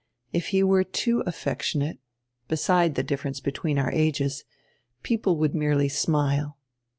If he were too affec tionate — beside the difference between our ages — people would merely smile."